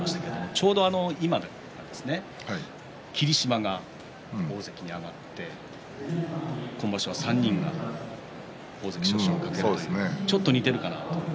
ちょうど今霧島が大関に上がって今場所は３人が大関昇進を懸けるちょっと似ているかなと。